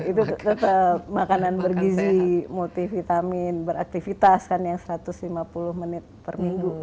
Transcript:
itu tetap makanan bergizi multivitamin beraktivitas kan yang satu ratus lima puluh menit per minggu